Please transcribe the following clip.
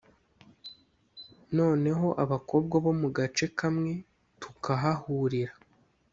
noneho abakobwa bo mu gace kamwe tukahahurira